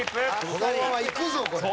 このままいくぞこれ。